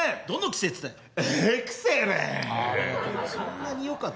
どの季節だよ！